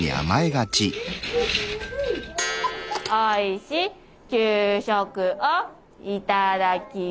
おいしい給食をいただきます。